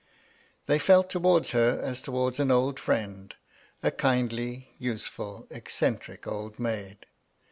They felt towards her as towards an old friend, a kindly, useful, eccentric old maid.